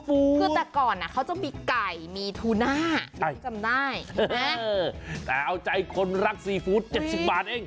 คือแต่ก่อนนะเขาจะมีไก่มีทูน่าใช่ไม่จำได้นะแต่เอาใจคนรักซีฟู้ดเจ็บสิบบาทเอง